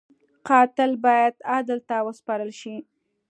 قاتل باید عدل ته وسپارل شي